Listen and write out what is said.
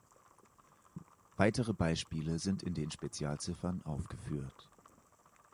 Weitere Beispiele sind in den Spezialziffern aufgeführt.